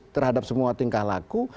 terhadap semua tingkah laku